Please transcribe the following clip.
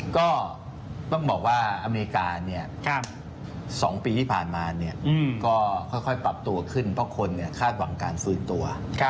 ก็ต้องบอกว่าอเมริกา๒ปีที่ผ่านมาก็ค่อยปรับตัวขึ้นเพราะคนคาดหวังการฟื้นตัว